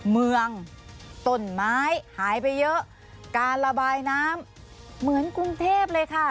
เมืองต้นไม้หายไปเยอะการระบายน้ำเหมือนกรุงเทพเลยค่ะ